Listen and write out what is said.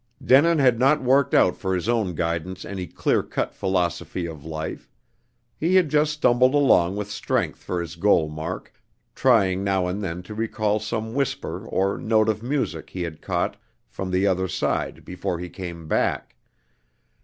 Denin had not worked out for his own guidance any clear cut philosophy of life. He had just stumbled along with strength for his goal mark, trying now and then to recall some whisper or note of music he had caught from the other side before he came back.